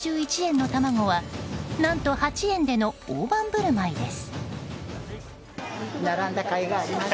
更に、１パック２６１円の卵は何と８円での大盤振る舞いです。